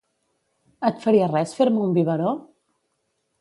Et faria res fer-me un biberó?